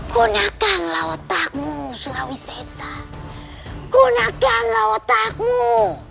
gunakanlah otakmu surawi sesa gunakanlah otakmu